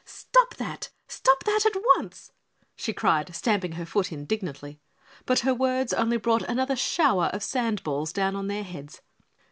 "Stop that! Stop that at once!" she cried, stamping her foot indignantly, but her words only brought another shower of sand balls down on their heads.